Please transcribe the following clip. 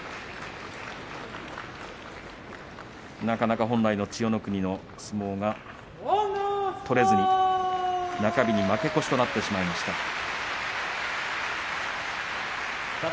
なかなか本来の千代の国の相撲が取れずに中日に負け越しとなってしまいました。